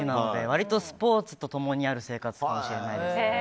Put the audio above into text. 割とスポーツと共にある生活かもしれないです。